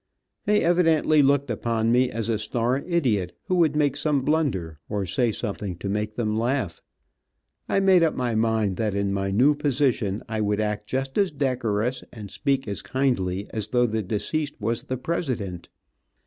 They evidently looked upon me as a star idiot, who would make some blunder, or say something to make them laugh: I made up my mind that in my new position I would act just as decorous, and speak as kindly as though the deceased was the president.